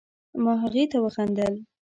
ما هغې ته وخندل